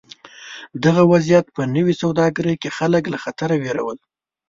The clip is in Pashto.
دغه وضعیت په نوې سوداګرۍ کې خلک له خطره وېرول.